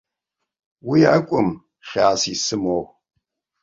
Уи акәым хьаас исымоу.